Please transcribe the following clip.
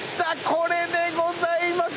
これでございます。